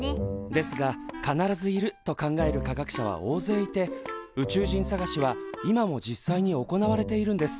ですが必ずいると考える科学者は大勢いて宇宙人探しは今も実際に行われているんです。